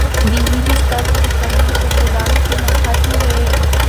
د هیلې سترګې د قالینې په ګلانو کې نښتې وې.